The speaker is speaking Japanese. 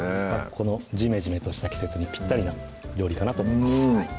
このジメジメとした季節にぴったりな料理かなと思います